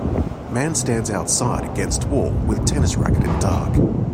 Man stands outside against wall with tennis racket in dark.